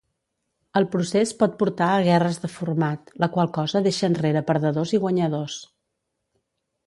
El procés pot portar a guerres de format, la qual cosa deixa enrere perdedors i guanyadors.